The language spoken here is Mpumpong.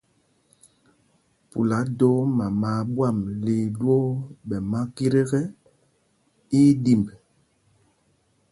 Pula doo mama a ɓwam lil ɗwoo ɓɛ makit ekɛ, í í ɗimb.